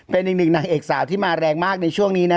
เป็นอีกหนึ่งนางเอกสาวที่มาแรงมากในช่วงนี้นะ